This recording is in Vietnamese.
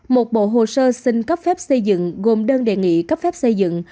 một bộ hồ sơ xin cấp phép xây dựng gồm đơn đề nghị cấp phép xây dựng